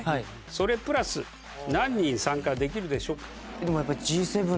それプラス何人参加できるでしょうか？